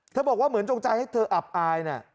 บอกว่าเหมือนจงใจให้เธออับอายนะ